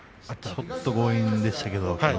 ちょっと強引でした。